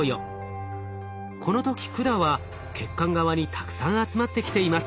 この時管は血管側にたくさん集まってきています。